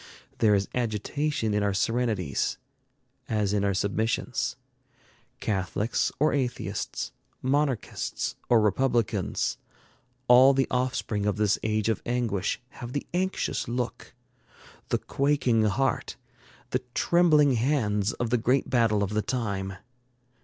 There is agitation in our serenities, as in our submissions. Catholics or atheists, monarchists or republicans, all the offspring of this age of anguish have the anxious look, the quaking heart, the trembling hands of the great battle of the time.